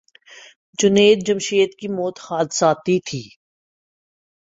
جنید جمشید کی موت حادثاتی تھی۔